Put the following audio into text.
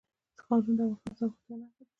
ښارونه د افغانستان د زرغونتیا نښه ده.